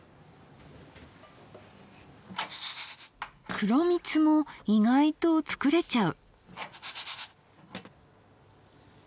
黒みつも意外と作れちゃう。